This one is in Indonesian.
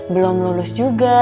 belum lulus juga